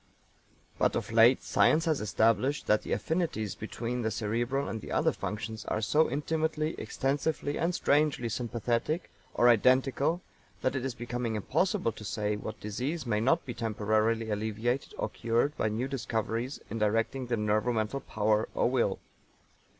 But of late science has established that the affinities between the cerebral and other functions are so intimately, extensively and strangely sympathetic or identical that it is becoming impossible to say what disease may not be temporarily alleviated or cured by new discoveries in directing the nervo mental power or will.